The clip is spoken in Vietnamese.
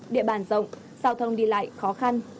địa bàn rộng giao thông đi lại khó khăn